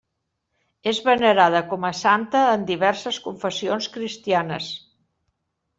És venerada com a santa en diverses confessions cristianes.